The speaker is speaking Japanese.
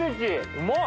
うまい！